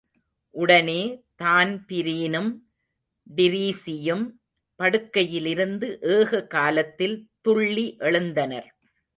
உடனே தான்பிரீனும் டிரீஸியும் படுக்கையிலிருந்து ஏககாலத்தில் துள்ளி ஏழுந்தனர்.